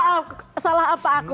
ada salah apa aku